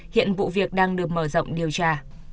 hiện vụ việc đang được mở rộng điều tra